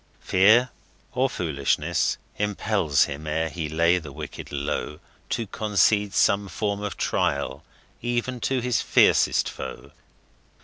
Fear, or foolishness, impels him, ere he lay the wicked low, To concede some form of trial even to his fiercest foe.